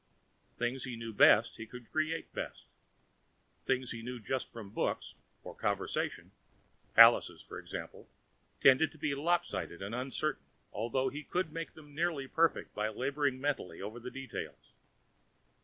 Things he knew best, he could create best. Things he knew just from books or conversation palaces, for example tended to be lopsided and uncertain, although he could make them nearly perfect by laboring mentally over the details.